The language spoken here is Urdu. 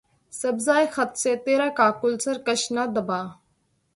سبزۂ خط سے ترا کاکل سرکش نہ دبا